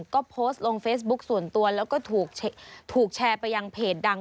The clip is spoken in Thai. ก็โพสต์ลงเฟซบุ๊คส่วนตัวแล้วก็ถูกแชร์ไปยังเพจดัง